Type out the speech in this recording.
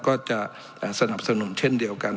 ก็จะสนับสนุนเช่นเดียวกัน